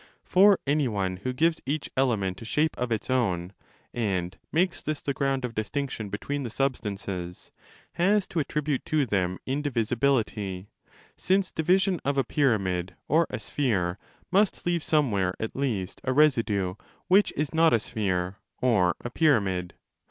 For any one who gives each element a shape of its own, and makes this the ground of distinction between the substances, has to attribute to them indi visibility ; since division of a pyramid or a sphere must leave somewhere at least a residue which is not a sphere or a pyramid.